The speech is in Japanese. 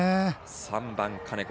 ３番、金子。